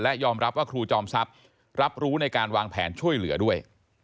ยอมรับว่าครูจอมทรัพย์รับรู้ในการวางแผนช่วยเหลือด้วย